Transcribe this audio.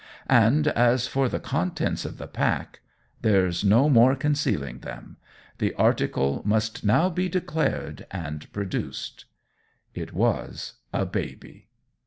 And as for the contents of the pack, there's no more concealing them! The article must now be declared and produced. It was a baby.